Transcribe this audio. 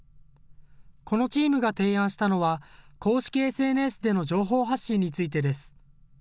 このチームが提案したのは公式ＳＮＳでの情報発信についてです。